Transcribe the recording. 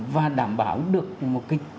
và đảm bảo được một cái